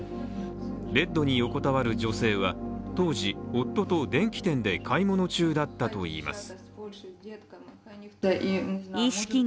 ベッドに横たわる女性は当時夫と電気店で買い物中だったといいます。